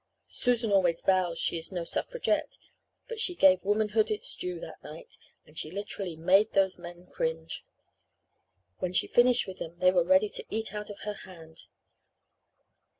Susan always vows she is no suffragette, but she gave womanhood its due that night, and she literally made those men cringe. When she finished with them they were ready to eat out of her hand.